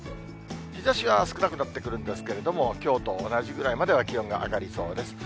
日ざしが少なくなってくるんですけれども、きょうと同じぐらいまでは気温が上がりそうです。